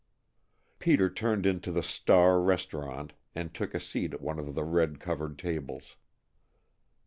Peter turned into the Star Restaurant and took a seat at one of the red covered tables.